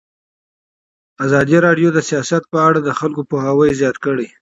ازادي راډیو د سیاست په اړه د خلکو پوهاوی زیات کړی.